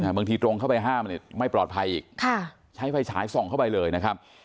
บางทีตรงเข้าไปห้ามไม่ปลอดภัยอีกใช้ไฟฉายส่องเข้าไปเลยนะครับ